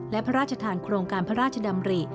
และพระราชทานโครงการพระราชดำริ